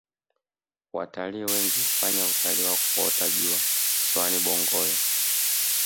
watalii wengi hufanya utalii wa kuota jua kisiwani bongoyo